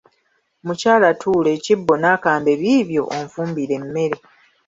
Mukyala tuula ekibbo n’akambe biibyo onfumbire emmere.